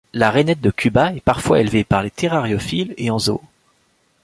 La Rainette de Cuba est parfois élevée par les terrariophiles et en zoo.